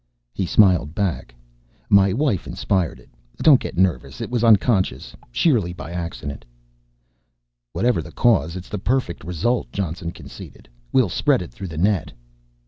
He smiled back. "My wife inspired it. Don't get nervous it was unconscious, sheerly by accident." "Whatever the cause, it's the perfect result," Johnson conceded. "We'll spread it through the net."